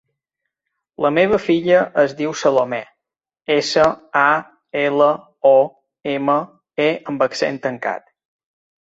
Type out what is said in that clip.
La meva filla es diu Salomé: essa, a, ela, o, ema, e amb accent tancat.